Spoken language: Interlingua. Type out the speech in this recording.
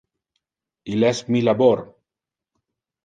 Il es mi labor.